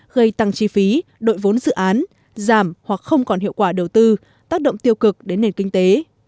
gây tăng chi phí đội vốn dự án giảm hoặc không còn hiệu quả đầu tư tác động tiêu cực đến nền kinh tế